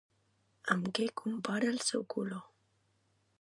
Amb què compara el seu color?